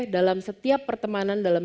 dalam setiap pertemanan dalam